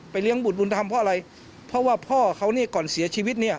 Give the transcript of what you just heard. เลี้ยงบุตรบุญธรรมเพราะอะไรเพราะว่าพ่อเขาเนี่ยก่อนเสียชีวิตเนี่ย